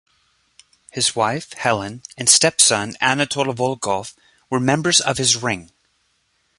His wife, Helen and stepson, Anatole Volkov, were members of his ring.